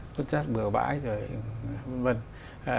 vứt rác bửa vãi rồi vân vân